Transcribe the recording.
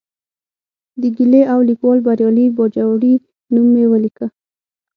د ګیلې او لیکوال بریالي باجوړي نوم مې ولیکه.